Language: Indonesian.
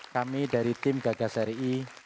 kami dari tim gagas ri